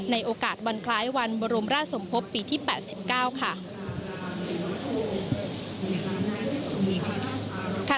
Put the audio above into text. ในโอกาสวันคล้ายวันบรมราชสมภพปีที่๘๙ค่ะ